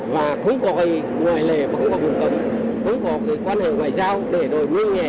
và không có ngoại lệ không có vùng cầm không có quan hệ ngoại giao để rồi nguyên nghề